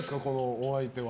お相手は。